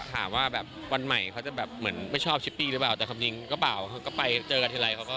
ถามว่าแบบวันใหม่เขาจะแบบเหมือนไม่ชอบชิปปี้หรือเปล่าแต่คำยิงก็เปล่าเขาก็ไปเจอกันทีไรเขาก็